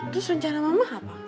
terus rencana mama apa